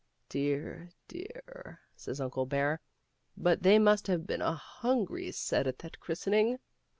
" Dear, dear," says Uncle Bear, " but they must have been a hungfry set at that christening."